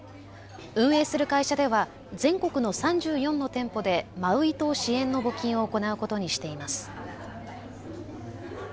運営する会社では全国の３４の店舗でマウイ島支援の募金を行うことにしています。